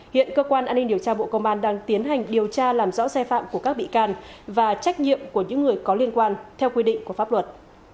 hiện cơ quan an ninh điều tra bộ công an đang tiến hành điều tra làm rõ sai phạm của các bị can và trách nhiệm của những người có liên quan theo quy định của pháp luật